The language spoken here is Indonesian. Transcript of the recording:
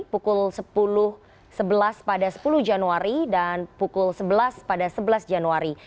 pukul sepuluh sebelas pada sepuluh januari dan pukul sebelas pada sebelas januari